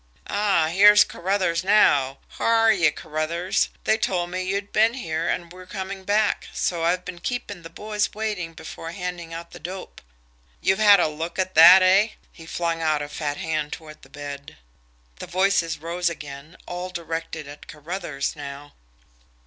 "Ah, here's Carruthers now! H'are you, Carruthers? They told me you'd been here, and were coming back, so I've been keeping the boys waiting before handing out the dope. You've had a look at that eh?" He flung out a fat hand toward the bed. The voices rose again, all directed at Carruthers now.